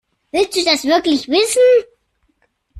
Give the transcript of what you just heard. Willst du das wirklich wissen?